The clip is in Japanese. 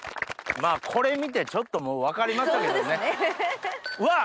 まぁこれ見てちょっともう分かりましたけどね。